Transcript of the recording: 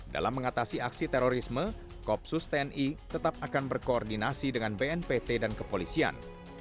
dalam mengatasi aksi terorisme koopsus tni tetap akan berkoordinasi dengan bnpt dan kepolisian